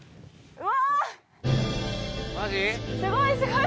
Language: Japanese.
うわ！